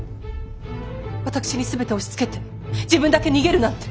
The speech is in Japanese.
私に全て押しつけて自分だけ逃げるなんて。